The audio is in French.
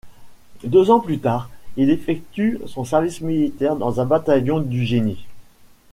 Deux ans plus tard il effectue son service militaire dans un bataillon du Génie.